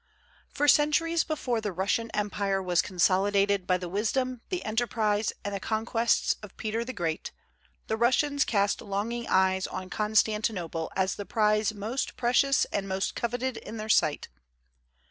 For centuries before the Russian empire was consolidated by the wisdom, the enterprise, and the conquests of Peter the Great, the Russians cast longing eyes on Constantinople as the prize most precious and most coveted in their sight.